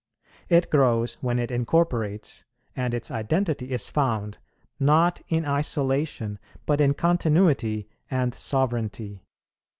It grows when it incorporates, and its identity is found, not in isolation, but in continuity and sovereignty.